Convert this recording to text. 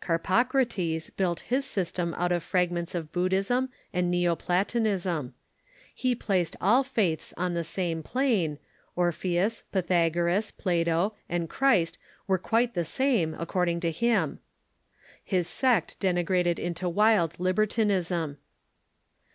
Carpocra tes built his system out of fragments of Buddhism and Xeo Platonism. He placed all faiths on the same plane — Orpheus, Pythagoras, Plato, and Christ were quite the same, according to him. His sect degenerated into wild libertinism.